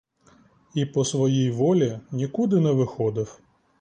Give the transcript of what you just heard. І по своїй волі нікуди не виходив.